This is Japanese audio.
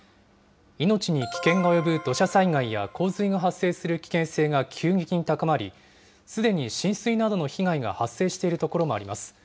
命に危険が及ぶ土砂災害や洪水の発生する危険性が急激に高まり、すでに浸水などの被害が発生している所もあります。